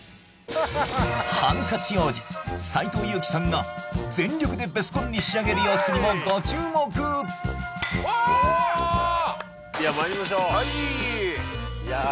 ハンカチ王子斎藤佑樹さんが全力でベスコンに仕上げる様子にもご注目ではまいりましょうはいーいやー